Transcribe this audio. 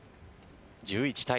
１１対１０